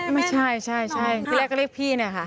ไม่ใช่ใช่ที่แรกก็เรียกพี่เนี่ยค่ะ